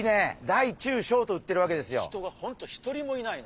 大中小と売ってるわけですよ。